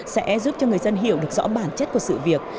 sẽ giúp cho người dân hiểu được rõ bản chất của sự việc